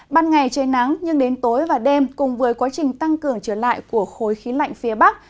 ban ngày trời nắng nhưng đến tối và đêm cùng với quá trình tăng cường trở lại của khối khí lạnh phía bắc